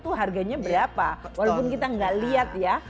itu harganya berapa walaupun kita tidak melihat ya